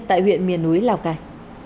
tại huyện miền núi lào cai